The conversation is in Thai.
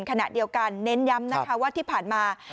ขณะเดียวกันเน้นย้ำนะคะว่าที่ผ่านมา